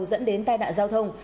dẫn đến tai nạn giao thông